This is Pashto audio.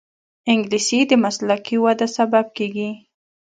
انګلیسي د مسلکي وده سبب کېږي